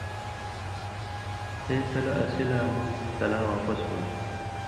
سَیں تلہ آن٘سیۡ لا مہ تلاں واپس ہُون٘دوۡ،